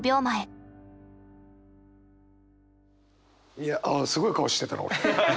いやああすごい顔してたな俺。